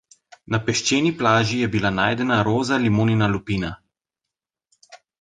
Na peščeni plaži je bila najdena roza limonina lupina.